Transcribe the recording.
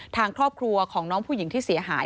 ทางครอบครัวของน้องผู้หญิงที่เสียหาย